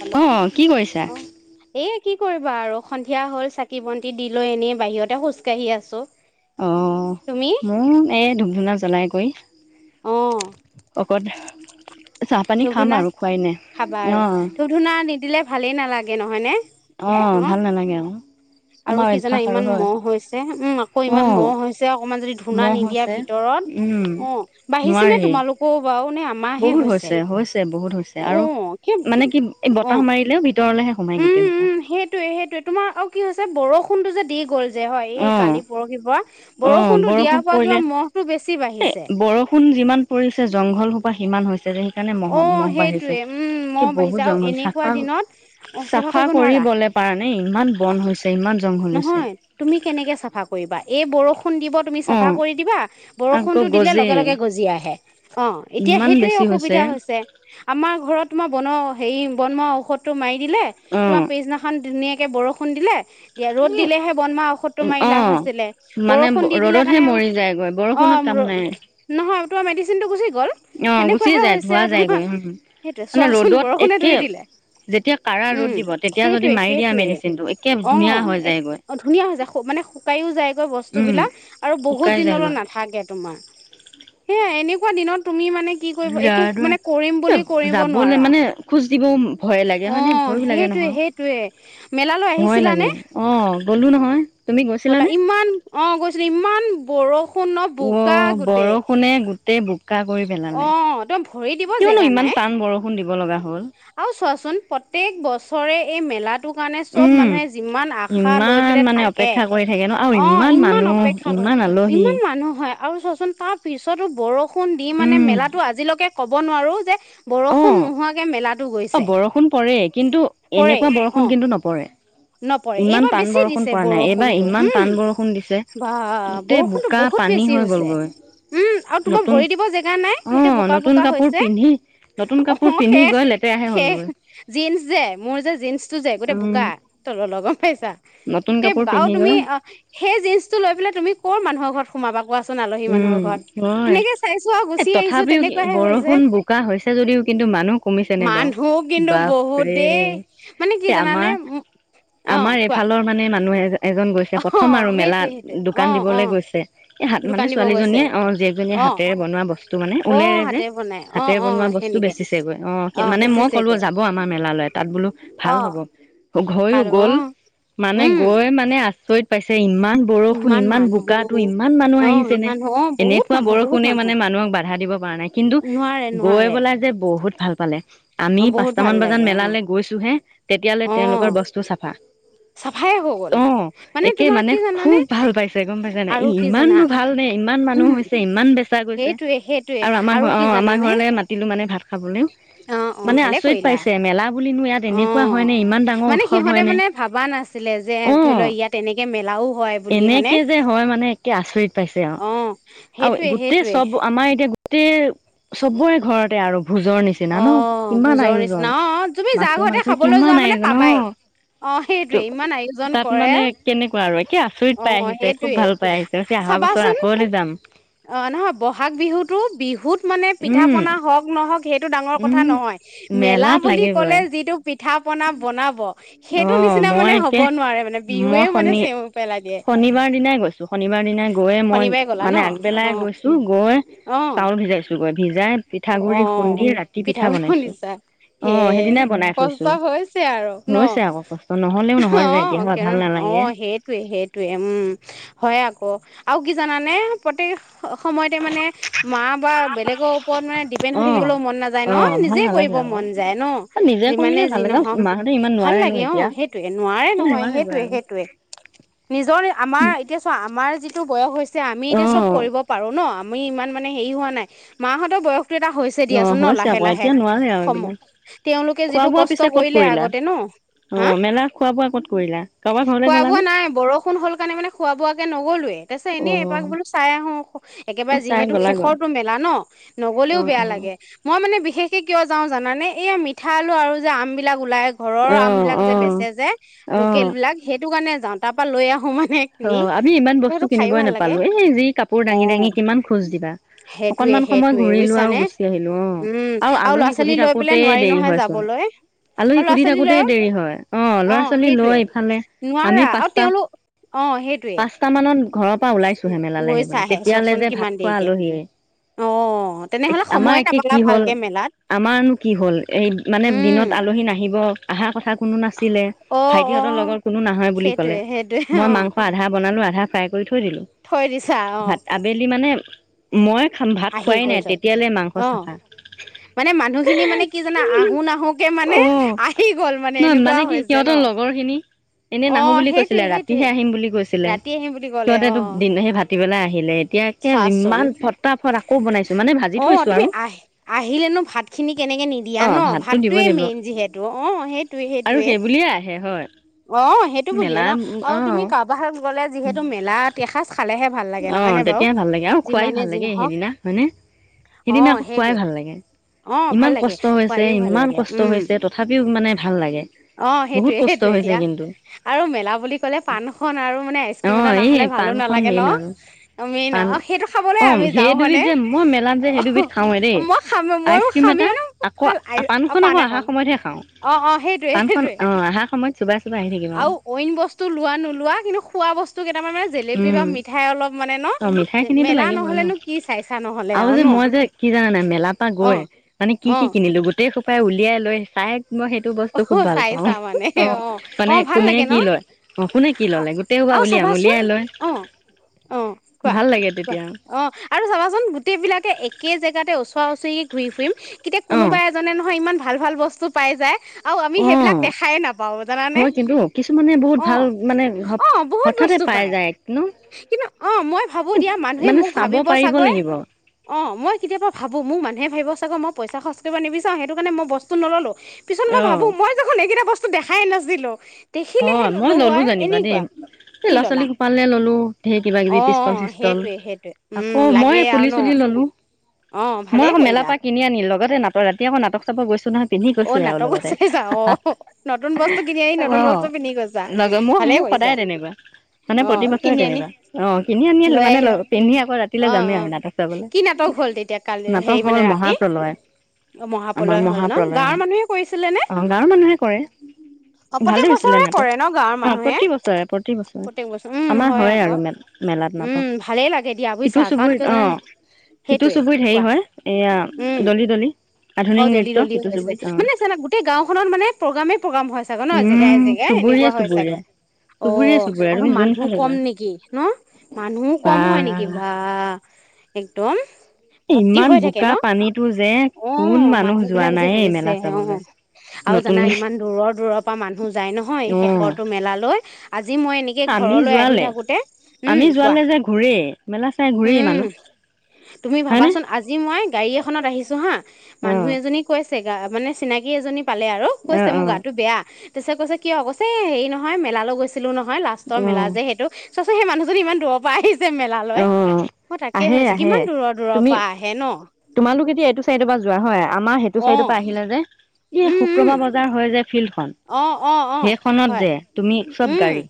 Hello অ', কি কৰিছা। অ', এ কি কৰিবা আৰু সন্ধিয়া হ'ল চাকি বন্তি দি লৈ এনেই বাহিৰতে খোজকাঢ়ি আছো। অ', তুমি? মও এই ধুপ ধুনা জ্বলাই কৰি অ', অকন চাহ পানী ধূপ খাম ধূনা আৰু খুৱাই নাই খাবা আৰু অ'। ধূপ ধূনা নিদিলে ভালেই নালাগে নহয়নে। অ', ভাল নালাগে আক আৰু কি জানা ইমান মহ হৈছে উম আকৌ অ ইমান মহ হৈছে অকমান যদি ধূনা মহ নিদিয়া হৈছে উম ভিতৰত অ', বাঢ়িছে নে নোৱাৰি তোমালোকও বাৰু নে আ বহুত হৈছে হৈছে বহুত হৈছে আৰু মানে কি এ বতাহ অ', মাৰিলেও ভিতৰলেহে সোমাই গোটেই উম সোপা উম সেইটোয়ে সেইটোয়ে তোমাৰ আৰু কি হৈছে বৰষুণটো যে দি গ'ল যে হয় অ এই কালি পৰহি পৰা অ বৰষুণতটো বৰষুণ দিয়াৰ পৰা পৰিলে কিবা মহটো বেছি এ বাঢ়িছে। বৰষুণ যিমান পৰিছে জংঘল সোপা সিমান হৈছে যে সে সেইকাৰণে মহ অ মহ বাঢ়িছে সেইটোৱে উম মহ কি বহুত বাঢ়িছে আৰু জংঘল এনেকুৱা চাফা দিনত অ চাফা কৰিব নোৱাৰা কৰিবলে পাৰা নে ইমান বন হৈছে ইমান জংঘল হৈছে। নহয় তুমি কেনেকে চাফা কৰিবা এই বৰষুণ দিব তুমি অ চাফা কৰি দিবা আকৌ বৰষুনটো দিলে গজে লগে লগে গজি আহে। অ এতিয়া ইমান সেইটোয়ে বেছি এতিয়া হৈছে আমাৰ ঘৰত তোমাৰ বন হেৰি বন মৱা ঔষধটো মাৰি দিলে অ তোমাৰ পিছদিনা খন ধুনীয়াকে বৰষুণ দিলে তিয়া এ ৰ'দ দিলেহে বন মৰা ঔষধটো মাৰি অ লাভ আছিলে মানে বৰষুণ দি দিলে ৰ'দতহে কাৰণে মৰি যায়গৈ অ বৰষুণত কাম নাই নহয় তোমাৰ মেডিচিনটো গুচি গ'ল অ গুচি সেনেকুৱাহে যায় হৈছে ধোৱা আৰু তোমাৰ যায়গৈ উম সেইটো মানে চোৱাচোন ৰ'দত বৰষুণে একে ধুই দিলে যেতিয়া কাৰা ৰ'দ উম দিব তেতিয়া যদি সেইটোৱে মাৰি দিয়া সেইটয়ে মেডিচিনটো একে অ ধুনীয়া হৈ এক যায়গৈ অ ধুনীয়া হৈ যায় শু মানে শুকাইও যায়গৈ উম বস্তুবিলাক আৰু শুকাই বহুত দিনলৈ যায়গৈ নাথাকে তোমাৰ সেয়াই, এনেকুৱা দিনত তুমি মানে কি কৰিব, একো, যাৰ মানে কৰিম বুলি কৰিব যাবলৈ নোৱাৰা, মানে খোজ দিবও ভয় লাগে হয়নে ভয়ো অ', লাগে সেইটোয়েই নহয় সেই তোৱেই, মেলালৈ ভয় লাগে আহিছিলানে? অ', গ'লো নহয়। তুমি গ'লা, গৈছিলানে? ইমান অ', গৈছিলোঁ, ইমান বৰ অ', বৰষুণে গোটেই বোকা কৰি পেলালে, অ তই ভৰি দিব কিয়নো জেগা নাই ইমান টান বৰষুণ ষুণ দিব লগা হ'ল। আৰু চোৱাচোন, প্ৰত্যেক বছৰে এই মেলাত টো কাৰণে চব উম। মানুহে যিমান আশা লৈ ইমান পেলাই মানে থাকে, অপেক্ষা কৰি থাকে ন আৰু অ', ইমান মানুহ অপেক্ষা কৰে, ইমান আলহী। ইমান মানুহ হয়, আৰু চোৱাচোন, তাৰপিছতো বৰষুণ দি মানে উম মেলাতো আজিলৈকে ক'ব নোৱাৰো যে, বৰষুণ অ' নোহোৱাকে মেলাত অ', বৰষুণ পৰে, কিন্তু পৰেই এনেকুৱা অ বৰষুণ কিন্তু নপৰে। নপৰে ইমান এইবাৰ টান বেছি বৰষুণ দিছে পৰা নাই, এইবাৰ বৰষুণটো ইমান উম টান বৰষুণ দিছে। বা গোটেই বৰষুণটো বোকা, বহুত পানী বেছি হৈ হৈছে গ'লগৈ। উম আৰু তোমাৰ নতুন ভৰি দিব জেগা নাই গোটেই অ', বোকা নতুন বোকা কাপোৰ হৈছে পিন্ধি, নতুন কাপোৰ পিন্ধি গৈ লেতে জিন্সযে, মোৰযে জীন্সটো যে, গোটেই বোকা, উম। তললৈ লগম পাইছা? নতুন গোটেই কাপোৰ বোকা আৰু পিন্ধি তুমি গৈ অ' সেই জিন্চটো লৈ পেলাই তুমি ক'ৰ মানুহৰ ঘৰত সোমাবা কোৱাছোন আলহী মানুহৰ উম ঘৰত, হয় সেনেকেই চাইছোঁ আৰু এ গুচি আহিছোঁ, তথাপিও তেনেকুৱাহে বৰষুণ হৈছে। বোকা হৈছে যদিও কিন্তু মানুহ কমিছেনে বাৰু মানুহ কিন্তু বহুত বাপৰে দেই, মানে কি এই জানানে? আমাৰ আমাৰ অ', কোৱা। এইফালৰ মানে মানুহ এজন গৈছে, অ প্ৰথম আৰু সেইটোৱে মেলাত, সেইটোৱে অ দোকান অ দিবলৈ গৈছে, এই হাত মানে দোকান দিব গৈছে ছোৱালীজনীয়ে অ' জীয়েকজনীয়ে অ হাতেৰে বনোৱা বস্তু মানে, অ ঊলেৰে যে, হাতে বনাই অ হাতেৰে অ বনোৱা বস্তু সেনেকে বেচিছেগৈ, অ'। মানে মই ক'লো, যাব আমাৰ মেলালৈ, তাত বোলো অ ভাল হ'ব। হয়ো ভাল হ'ব গ'ল, অ মানে উম গৈ মানে আচৰিত পাইছে, ইমান বৰষুণ, ইমান বোকাটো ইমান মানুহ অ আহিছে। ইমান অ বহুত এনেকুৱা মানুহ বহুত বৰষুণে মানুহ মানে মানুহক বা দিব পৰা নাই, কিন্তু নোৱাৰে গৈ নোৱাৰে পেলাই যে বহুত ভাল পালে। আমি অ বহুত ভাল পাঁচটামান বজাত লাগে অ মেলালৈ গৈছোহে, তেতিয়ালৈ অ তেওঁলোকৰ বস্তু চাফা। চাফাই হৈ গ'ল অ', একে তোমাৰ মানে কি জানানে খুব ভাল পাইছে, গম পাইছে নে নাই? আৰু এই কি ইমান জানা ভাল দেই, ইমান মানুহ উম হৈছে ইমান বেচা গৈছে, সেইটোৱে সেইটোৱে আৰু আমাৰ ঘৰ, কি অ', আমাৰ জানানে ঘৰলে মা মাতিলোঁ মানে ভাত খাবলৈ, অ অ মানে ভালে আচৰিত কৰিলা পাইছে, মেলা বুলি অ', মানে সিহঁতে নে মানে ভাবা নাছিলে যে, ধৰি অ' ল' ইয়াত তেনেকে মেলাও হয়। বুলি হয়নে এনেকে যে হয় মানে একে আচৰিত পাইছে আৰু, অ আৰু সেইটোৱে গোটেই সেইটোৱে চব, আমাৰ এতিয়া গোটেই চবৰেই ঘৰতে আৰু ভোজৰ নিচিনা। নিচিনা অ ন, কিমান ভোজৰ আয়োজন? নিচিনা অ তুমি যাৰ মাছে ঘৰতে মাংসই খাবলৈ কিমান যোৱা মানে আয়োজন ন। পাবাই অ সেইটোৱে ত' ইমান আয়োজন তাত কৰে মানে কেনেকুৱা আৰু, একে আছ আচৰিত অ পাই আহিছে, খুব সেইটোৱে ভাল পাই আহিছে, অহা বছৰ চাবাচোন আক' বোলে যাম। অ', নহয়, বহাগ বিহুতো, বিহুত মানে পিঠা উম পনা হওক নহওক সেইটো ডাঙৰ কথা উম নহয়, মেলা মেলাত বুলি লাগিবই ক'লে যিটো পিঠা পনা বনাব অ সেইটো নিচিনা মই মানে হ'ব একে নোৱাৰে মানে, মই বিহুৱেও মানে শনি চেউ পেলাই দিয়ে। শনিবাৰ দিনাই গৈছো শনিবাৰ দিনা গৈয়েই শনিবাৰে মই গ'লা ন মানে আগবেলাই গৈছোঁ, গৈ অ অ চাউল ভিজাইছোঁগৈ, ভিজাই অ পিঠাগুৰি খুন্দি, ৰাতি পিঠা গুড়ি বনাইছোঁ, খুন্দিছা হে অ', সেইদিনাই বনাই কষ্ট থৈছোঁ। হৈছে আৰু। ন হৈছে আকৌ কষ্ট নহ'লেও অ নহয় যে এতিয়া ভাল কেৰম অ নালাগে। সেইটোৱে সেইটোৱে উম হয় আকৌ, আৰু কি জানানে? প্ৰত্যক সময়তে মানে মা বা বেলেগৰ ওপৰত মানে ডিপেণ্ড অ হৈ থাকিবলৈও মন নাযায় অ ন? ভাল নিজে নালাগে কৰিব আকৌ মন যায় ন? নিজে যিমানে কৰিলে ভাল যি লাগে নহওঁক মাহঁতে ইমান ভাল নোৱাৰে ন লাগে অ' এতিয়া সেইটোয়ে নোৱাৰে এতিয়া নহয় নোৱাৰেগৈ সেইটোয়েই। আৰু। টোৱে, নিজৰ আমাৰ এতিয়া চা আমাৰ যিটো বয়স হৈছে আমি অ এতিয়া চব কৰিব পাৰো ন? আমি ইমান মানে হেৰি হোৱা নাই। মাহঁতৰ এটা হৈছে অ দিয়াচোন ন হৈছে লাহে আকৌ লাহে, এতিয়া নোৱাৰে আৰু সম এইবিলাক। তেওঁলোকে খোৱা যিটো বোৱা কষ্ট পিছে ক'ত কৰিলে কৰিলা? আগতে ন হা অ' মেলাত খোৱা বোৱা ক'ত কৰিলা? কাৰোবাৰ ঘৰলৈ গলানে? ন হ'ল কাৰণে মানে খোৱা বোৱাকে নগ'লোৱে। তাৰপাছে অ এনেই এপাক বোলো চাই আহো অ একেবাৰে চাই যিহেতু গ'লাগৈ শেষৰটো মেলা ন? অ নগলেওঁ বেয়া অ লাগে। মই মানে বিশেষকে কিয় যাওঁ জানানে? এইয়া মিঠা আলু আৰু যে আম বিলাক ওলাই ঘৰৰ অ আম বিলাক যে অ বেচে যে অ লোকেল বিলাক সেইটো কাৰণে যাওঁ তাৰ পৰা লৈ আহো মানে। কিনি অ' আমি ইমান বস্তু সেইটো খাইও কিনিবই ভাল লাগে নাপালো, এ যি কাপোৰ অ দাঙি দাঙি কিমান খোজ দিবা। সেইটোয়ে, অকনমান সময় সেইটোয়ে। ঘূৰিলো বুজিছ আৰু নে গুচি আহিলো অ উম আৰু ল'ৰা আলহী সুধি ছোৱালী লৈ থাকোতে পেলাই নোৱাৰি দেৰি নহয় হয়চোন। যাবলৈ। আলহী আৰু ল'ৰা সুধি ছোৱালী থাকোতে লৈ, দেৰি হয় ল'ৰা অ' ছোৱালী সেইটোৱে লৈ ইফালে নোৱাৰা আৰু তেওঁলোক অ' সেইটোৱে। চটা মানত ঘৰৰ পৰা ওলাইছোহে মেলালে আহিবলৈ, তেতিয়ালৈ চোৱাচোন যে ভাত কিমান খোৱা দেৰিকে আলহীয়ে। অ' তেনেহলে আমাৰ সময়ে একে নাপালা কি হ'ল ভালকে মেলাত আমাৰনো কি হ'ল? এই মানে উম দিনত আলহী নাহিব আহাৰ কথা কোনো নাছিলে, অ' ভাইটিহঁতৰ অ' লগৰ কোনো নাহে বুলি ক'লে। সেইটোয়ে সেইটোয়ে মই অ' মাংস আধা বনালো আধা ফ্ৰাই কৰি থৈ দিলো। থৈ দিছা অ'। ভাত আবেলি মানে মই খাম ভাত আহি খোৱাই গ'ল নাই, চব তেতিয়ালে মাংস অ' চাফা। মানে মানুহখিনি মানে কি জানা আহো নাহো কে মানে অ আহি গ'ল মানে নহয় এনেকুৱা কি হৈছে। ন সিহঁতৰ লগৰখিনি এনেই নাহো অ' বুলি কৈছিলে। সেইটোয়ে ৰাতি সেইটোয়ে হে আহিম বুলি কৈছিলে, ৰাতি আহিম বুলি ক'লে সিহঁতেতো অ' দিন সেই ভাতি বেলাই আহিলে, এতিয়া একে চোৱাচোন ইমান ফট অ' তুমি আহ আহিলেনো ভাত খিনি কেনেকে নিদিয়া অ ন? ভাতটো দিবই ভাতটোৱে লাগিব মেইন যিহেতু, অ' সেইটোয়ে আৰু সেইটোয়ে। সেই বুলিয়ে আহে হয় অ' সেইটো বুলিয়ে মেলা ন, আৰু অ তুমি কাৰোবাৰ হাতত গ'লে যিহেতু মেলাত এসাঁজ খালেহে ভাল লাগে। নহয় নে অ' বাৰু তেতিয়াই ভাল লাগে, আৰু খুৱাই যিমানে ভাল যি লাগে, নহওক সেইদিনা হয়নে অ সেইদিনা আকৌ খুৱাই সেইটোৱে ভাল লাগে। অ ভাল ইমান লাগে কষ্ট হৈছে, খোৱাইও ভাল ইমান লাগে কষ্ট উম হৈছে তথাপিও মানে ভাল লাগে। অ সেইটোৱে বহুত কষ্ট সেইটোৱে হৈছে দিয়া কিন্তু। আৰু মেলা বুলি ক'লে পাণখন আৰু মানে আইচ ক্ৰীম অ এটা এই নাখালে ভালো পাণখন নালাগে ন? মেইন আৰু আমি ন, পাণ অ' সেইটো খাবলৈ অ আমি সেই যাওঁ হয়নে দুবিধ যে মই মেলাত যে সেই দুবিধ খাওঁৱে দেই অ' মই খাম মইয়ো আইচক্ৰীম এটা খামেই ন আকৌ আ অ' পাণখন পাণ আকৌ অহা এখন। সময়তহে খাওঁ অ', অ' সেইটোৱে পাণখন সেইটোৱে অ অহাৰ সময়ত চোবাই চোবাই আহি থাকিব আৰু অইন বস্তু লোৱা নোলোৱা কিন্তু খোৱা বস্তু কেইটামান মানে জেলেপি বা উম মিঠাই অলপ মানে ন অ' মিঠাই খিনিটো মেলা লাগিবই ন? নহলেনো কি চাইছা নহলে আৰু যে ন মই যে কি জানানে মেলাৰ পৰা অ গৈ মানে কি অ কি কিনিলো? গোটেই সোপাই উলিয়াই লৈ চাই মই সেইটো বস্তু অ খুব ভাল পাওঁ, চাইছা মানে অ' অ মানে ভাল কোনে লাগে ন কি লয় অ' কোনে কি ল'লে গোটেই [unintelligible] আৰু চাবাচোন আঙুলিয়াই লয়। অ অ' কোৱা, ভাল লাগে কোৱা। তেতিয়া অ' আৰু চাবাচোন গোটেইবিলাকে একে জেগাতে ওচৰা ওচৰিয়ে ঘূৰি ফুৰিম। কেতিয়া অ কোনোবা এজনে নহয় ইমান ভাল ভাল বস্তু পাই যায়। আৰু আমি অ সেইবিলাক দেখাই নাপাওঁ জানানে। হয় কিন্তু কিছুমানে বহুত ভাল অ'। মানে ঘপ অ' বহুত হঠাতে বস্তু পাই পায় যায় ন কিন্তু অ' মই ভাবোঁ দিয়া মানুহে মানে মোক চাব ভাবিব পাৰিব চাগৈ লাগিব অ' মই কেতিয়াবা ভাবোঁ মোক মানুহে ভাবিব চাগে মই পইচা খৰচ কৰিব নিবিচাৰো সেইটো কাৰণে মই বস্তু নল'লো পিছত মই অ ভাবোঁ মই দেখোন এইকেইটা বস্তু দেখাই নাছিলো। হয়, মই ল'লোঁ জেনিবা দেই। এই কি ল'ৰা ল'লা ছোৱালী সোপালে ল'লোঁ ধেৰ কিবা কিবি, অঁ পিষ্টল অঁ চিষ্টল সেইটোৱে সেইটোৱে আকৌ মই পুলিচ চুলি ল'লোঁ। অ' ভালেই মেলাৰ কৰিলা পৰা কিনি আনি, লগতে নাটক ৰাতি আকৌ নাটক চাব গৈছোঁ নহয়। পিন্ধি অঁ গৈছোঁ এওঁৰ নাটকত লগতে। চাইছা অঁ নতুন বস্তু কিনি আনি নতুন বস্তু অ'। পিন্ধি গৈছা লাগম মোৰ, ভালেই মোৰ কৰিছা সদায় তেনেকুৱা। মানে প্ৰতি অঁ বছৰে কিনি আনি তেনেকুৱা। অ' কিনি আনি লৈ মানে আহি পিন্ধি আকৌ ৰাতিলে অঁ যামে আৰু অঁ নাটক চাবলৈ কি নাটক হ'ল তেতিয়া কালি নাটক হেৰি মানে হ'ল ৰাতি? মহাপ্ৰলয় অ' মহাপ্ৰলয় হ'ল ন'। অ', গাঁৱৰ মানুহে কৰিছিলে নে অ' গাঁৱৰ মানুহে কৰে, অ প্ৰত্যেক ভালে হৈছি ছিলে বছৰে নাটক। কৰে ন গাঁৱৰ অ' মানুহে প্ৰতি বছৰে, প্ৰতি বছৰে প্ৰত্যেক বছৰ উম আমাৰ হয় হৈ আকৌ আৰু মে মেলাত উম নাটক। ভালেই লাগে দিয়া বুজিছা সিটো কাৰণ কিয় চুবুৰীত, জানা অ'। সিটো সেইটোৱে চুবুৰীত হেৰি কোৱা হয় এইয়া উম দলি দলি, অ আধুনিক দলি নৃত্য দলি সিটো হৈছে চুবুৰীত। অ'। মানে চোৱানা গোটেই গাঁওখনত মানে প্ৰগ্ৰামে প্ৰগ্ৰাম হয় চাগৈ ন' জেগাই উম, জেগাই চুবুৰীয়ে এনেকুৱা হয় চুবুৰীয়ে চাগৈ। চুবুৰীয়ে অ' চুবুৰীয়া আৰু তুমি মানুহ যোনফালে যোৱা। কম নেকি ন' মানুহো বা কম হয় নেকি বা। একদম ভৰ্তি ইমান হৈ থাকে বোকা ন'। পানীতো যে কোন অ' মানুহ যোৱা মানুহবিলাক নাই যে এই গৈ মেলা হে, চাবলৈ অ' আৰু জানা নতুনকে ইমান দূৰৰ দূৰৰ পৰা মানুহ যাই নহয় এই অ'। শেষৰটো মেলালৈ। আজি মই এনেকে আমি ঘৰলৈ আহি যোৱালে থাকোঁতে, আমি উম কোৱা। যোৱালে যে ঘূৰেই মেলা চাই ঘূৰেই হুম। মানুহ তুমি হয়নে? ভাবাচোন আজি মই গাড়ী এখনত আহিছোঁ হা, মানুহ অ', এজনীক কৈছে গা মানে চিনাকি এজনী পালে আৰু কৈছে অ', মোৰ অ', গাটো বেয়া। তাৰপিছত কৈছে কিয় কৈছে এই হেৰি নহয় মেলালৈ গৈছিলোঁ নহয়, লাষ্টৰ মেলা অ', যে সেইটো। চোৱাচোন সেই মানুহজনী ইমান দূৰৰ পৰা আহি ছে মেলালৈ, অ', মই তাকে আহে ভাবিছোঁ আহে কিমান দূৰৰ দূৰৰ তুমি পৰা আহে ন'। তোমালোক এতিয়া এইটো চাইডৰ পৰা যোৱা হয়, আমাৰ সেইটো অঁ চাইডৰ পৰা আহিলে যে। এই শুক্ৰবাৰ বজাৰ হয় যে ফিল্ডখন অ', অ', অ'। সেইখনত যে তুমি চব গাড়ী।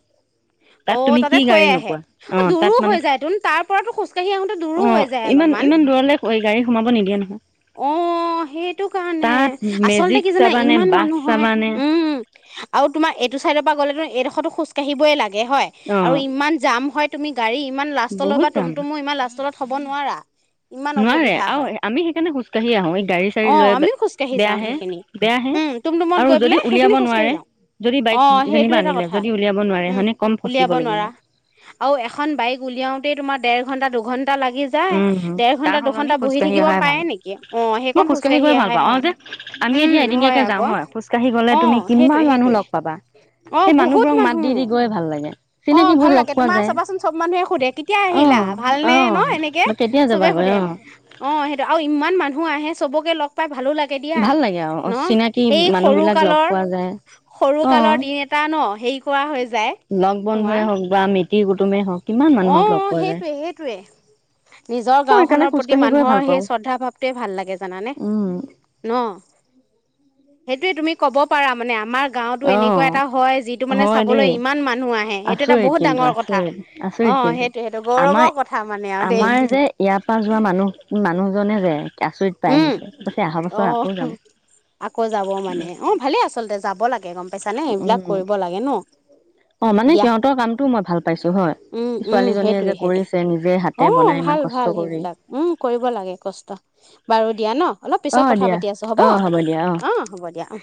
তাত অ' তুমি তাতে কি থৈ গাড়ী আহে, নোপোৱা অ' তাত দূৰো মানে হৈ যায় তুন, তাৰ পৰাতো খোজকাঢ়ি আহো অ' ইমান, ইমান দূৰলে ঐ গাড়ী সোমাব নিদিয়ে নহয়। অ' সেইটো কাৰণে, তাত আচলতে মেজিক কি জানা চাবানে ইমান বাছ মানুহ হয়। চাবানে উম। উম। আৰু তোমাৰ এইটো চাইডৰ পৰা গ'লেতো এই ডোখৰতো খোজ কাঢ়িবই লাগে হয়। অ আৰু ইমান জাম হয়, তুমি গাড়ী ইমান লাষ্ট লৈ বহুত বা যাম টমটমো ইমান লাষ্টলৈ থ'ব নোৱাৰা। ইমান নোৱাৰে অসুবিধা আৰু হয়। আমি সেইকাৰণে খোজকাঢ়ি আহো এই গাড়ী চাড়ী অ' লৈ আমিও খোজ কাঢ়ি যাওঁ বেয়াহে সেইখিনি। বেয়াহে উম, টমটমত আৰু গৈ যদি পেলাই উলিয়াব সেইখিনি মি খোজ কাঢ়ি নোৱাৰে যাওঁ। যদি বাইক অ' যেনিবা সেইটোৱেতো আনিলে কথা যদি উলিয়াব নোৱাৰে উম, হয়নে কম ফচিব উলিয়াব লাগিব নোৱাৰা। আৰু এখন বাইক উলিয়াওঁতেই তোমাৰ দেৰ ঘণ্টা, দুঘণ্টা লাগি যায়, উম, দেৰ তাৰ ঘন্টা, সলনি দুঘন্টা বহি খোজকাঢ়ি থাকিব অহাই ভাল। পাৰে নেকি, অ' মই সেইকণ খোজ খোজকাঢ়ি গৈ কাঢ়ি ভাল অহাই পাওঁ আৰু ভাল। উম হয় আকৌ খোজ কাঢ়ি গ'লে অ তুমি কিমান সেইটোৱে মানুহ সেইটোৱে লগ পাবা। অ সেই বহুত মানুহবোৰক মাত দি মানুহ দি গৈ ভাল লাগে, অ চিনাকিবোৰ ভাল লগ লাগে পোৱা তোমাৰ যায়। চাবাচোন চব মানুহে সোধে কে তিয়া আহিলা অ', ভালনে ন এনেকে অ', কেতিয়া চবে যাবাগৈ সোধে অ'। অ সেইটো আৰু ইমান মানুহ আহে চবকে লগ পাই ভালো লা গে দিয়া ভাল লাগে আৰু ন চিনাকি এই সৰু মানুহবিলাক লগ কালৰ পোৱা যায়। সৰু অ', কালৰ দিন এটা ন হেৰি কৰা হৈ যায় লগ বন্ধুৱে তোমাৰ হওক বা মিতিৰ কুটুমেই হওক কিমান অ মানুহক অ লগ পোৱা যায়। সেইটোৱে সেইটোৱে নিজৰ মই সেইকাৰণে গাওখনৰ প্ৰতি খোজকাঢ়ি গৈ ভাল মানুহৰ সেই পাওঁ, শ্ৰদ্ধা ভাৱটোৱে ভাল লাগে জানানে উম, ন সেইটোয়ে তুমি ক'ব পাৰা মানে আমাৰ গাঁৱটো এনেকুৱা অ'। এটা হয় যিটো মানে হয় দেই, চাবলৈ ইমান মানুহ আহে সেইটো এটা আচৰিত বহুত কিন্তু ডাঙৰ কথা আচৰিত, অ আচৰিত কিন্তু সেইটো সেইটো গৌৰৱৰ আমাৰ কথা মানে আৰু দেই আমাৰ যে ইয়াৰ পৰা যোৱা মানুহ মানুহজনে যে আচৰিত পাই উম কৈছে অহা অ বছৰ আকৌ যাম। ভালেই আচলতে যাব লাগে গম পাইছানে এইবিলাক উম কৰিব লাগে ন অ মানে দিয়া সিহঁতৰ কামটোও মই ভাল পাইছো হয় উম উম ছোৱালীজনীয়ে যে সেইটোৱে সেইটোৱে কৰিছে নিজে হাতে অ বনাই ইমান ভাল কষ্ট ভাল কৰি সেইবিলাক উম কৰিব লাগে কষ্ট বাৰু দিয়া ন অলপ পিছত কথা পাতি আছো হ'ব অ হ'ব দিয়া অ